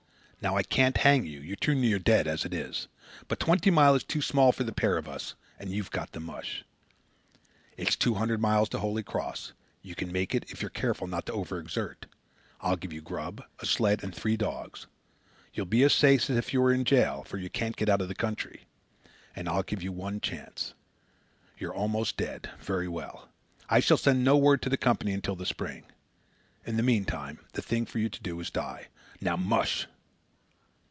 Now I can't hang you. You're too near dead as it is. But Twenty Mile is too small for the pair of us, and you've got to mush. It's two hundred miles to Holy Cross. You can make it if you're careful not to over exert. I'll give you grub, a sled, and three dogs. You'll be as safe as if you were in jail, for you can't get out of the country. And I'll give you one chance. You're almost dead. Very well. I shall send no word to the Company until the spring. In the meantime, the thing for you to do is to die. Now MUSH!"